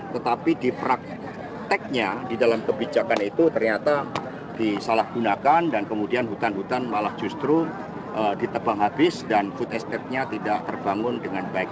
tetapi di prakteknya di dalam kebijakan itu ternyata disalahgunakan dan kemudian hutan hutan malah justru ditebang habis dan food estate nya tidak terbangun dengan baik